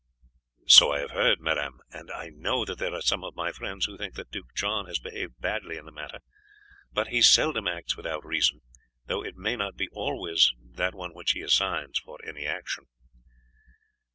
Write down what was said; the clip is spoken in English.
'" "So I have heard, madame, and I know that there are some of my friends who think that Duke John has behaved hardly in the matter; but he seldom acts without reason, though it may not be always that one which he assigns for any action."